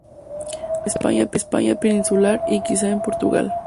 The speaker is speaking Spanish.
Habita en la España peninsular y quizá en Portugal.